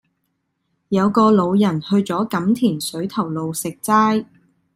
有個老人去左錦田水頭路食齋